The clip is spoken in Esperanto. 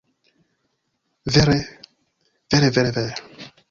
Vere, vere vere vere...